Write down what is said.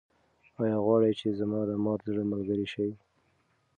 ایا غواړې چې زما د مات زړه ملګرې شې؟